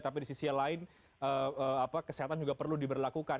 tapi di sisi lain kesehatan juga perlu diberlakukan